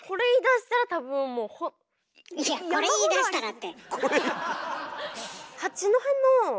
いや「これ言いだしたら」って。